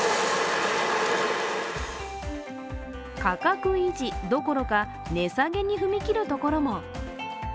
価格維持どころか、値下げに踏み切るところも。